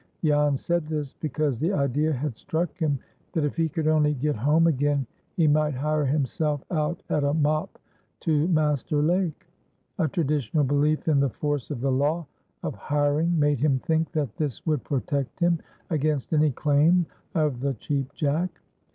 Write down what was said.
Jan said this because the idea had struck him that if he could only get home again he might hire himself out at a mop to Master Lake. A traditional belief in the force of the law of hiring made him think that this would protect him against any claim of the Cheap Jack.